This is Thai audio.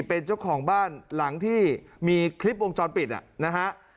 เป็นเจ้าของบ้านหลังที่มีคลิปวงจรปิดนะฮะ